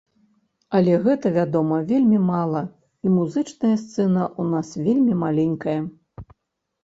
Але гэта, вядома, вельмі мала, і музычная сцэна ў нас вельмі маленькая.